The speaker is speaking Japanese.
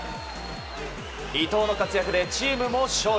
伊東の活躍でチームも勝利。